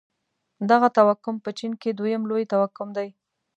دغه توکم په چين کې دویم لوی توکم دی.